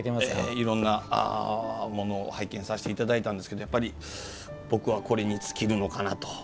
いろんなもの拝見させていただいたんですが僕はこれに尽きるのかなと。